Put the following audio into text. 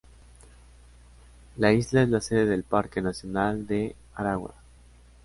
La isla es la sede del Parque nacional de Araguaia.